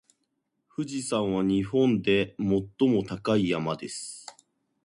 富士山は日本で最も高い山です。